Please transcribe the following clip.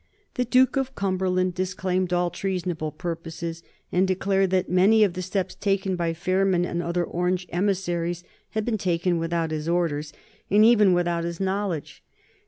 The Duke of Cumberland disclaimed all treasonable purposes, and declared that many of the steps taken by Fairman and other Orange emissaries had been taken without his orders and even without his knowledge.